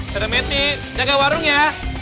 dadah meti jaga warung ya